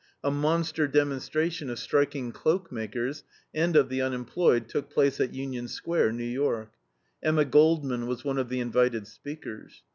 A monster demonstration of striking cloakmakers and of the unemployed took place at Union Square, New York. Emma Goldman was one of the invited speakers.